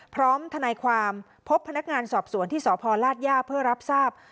พร้อมทัลไนความพบพนักงานสอบสวนที่ศภรรดิลาธญาค่ะเพื่อรับทราบ